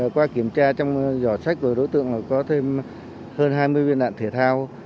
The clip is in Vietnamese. qua kiểm tra trong giỏ sách của đối tượng có thêm hơn hai mươi viên đạn thể thao